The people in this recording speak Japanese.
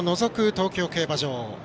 東京競馬場。